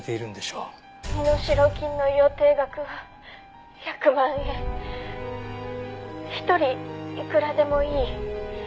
「身代金の予定額は１００万円」「１人いくらでもいい」